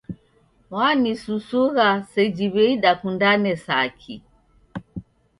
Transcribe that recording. Wanisusuga seji w'ei dakundane saki!